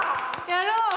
やろう！